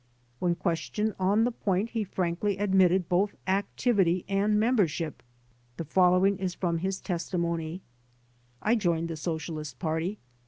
When questioned on the point he frankly admitted both activity and membership. The following is from his testimony: "I joined the Socialist Party.